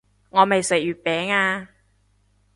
我未食月餅啊